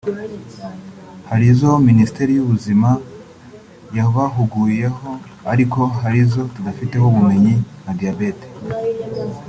hari izo Minisiteri y’ubuzima yabahuguyeho ariko hari izo tudafiteho ubumenyi nka diyabete